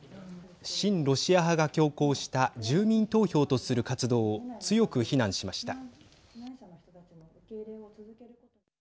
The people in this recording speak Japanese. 親ロシア派が強行した住民投票とする活動を強く非難しました。